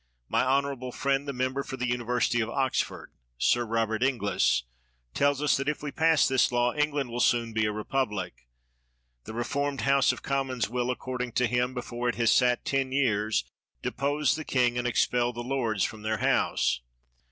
My honorable friend, the member for the Uni versity of Oxford [Sir Robert Inglis] tells us that if we pass this law England will soon be a republic. The reformed House of Commons will, according to him, before it has sat ten years, depose the king and expel the lords from their House.